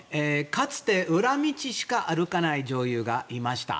かつて裏道しか歩かない女優がいました。